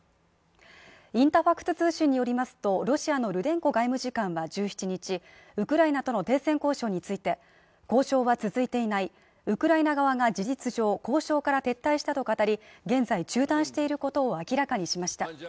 インタファクス通信によりますとロシアのルデンコ外務次官は１７日、ウクライナとの停戦交渉について交渉は続いていない、ウクライナ側が事実上、交渉が撤退したと語り、現在、中断していることを明らかにしました。